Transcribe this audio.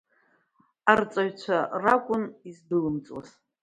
Арҵаҩцәа ракәын издәылымҵуаз.